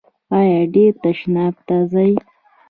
ایا ډیر تشناب ته ځئ؟